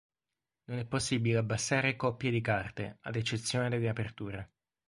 Non è possibile abbassare coppie di carte ad eccezione delle aperture.